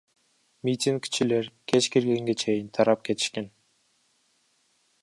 Митингчилер кеч киргенге чейин тарап кетишкен.